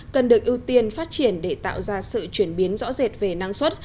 cần được ưu tiên phát triển để tạo ra sự chuyển biến rõ rệt về năng suất